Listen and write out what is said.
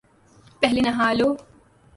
پہلے نہا لو ـ